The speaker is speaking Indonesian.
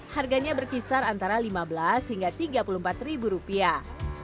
harganya berkisar antara lima belas hingga tiga puluh empat ribu rupiah